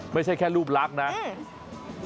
ไม่ใช่แค่รูปลักษณ์นะ